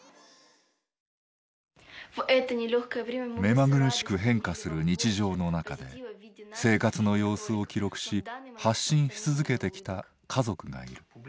目まぐるしく変化する日常の中で生活の様子を記録し発信し続けてきた家族がいる。